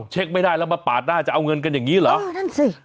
เช็คไม่ได้แล้วมาปาดหน้าจะเอาเงินกันอย่างนี้เหรอ